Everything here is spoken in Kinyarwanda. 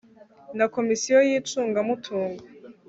na komisiyo y'icungamutungo